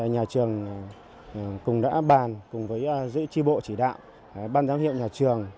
nhà trường cùng đã bàn cùng với giữ tri bộ chỉ đạo ban giám hiệu nhà trường